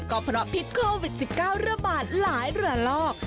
ก็เพราะพิษโควิด๑๙ระบาดหลายระลอก